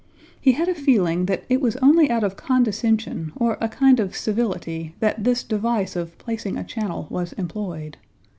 He had a feeling that it was only out of condescension or a kind of civility that this device of placing a channel was employed.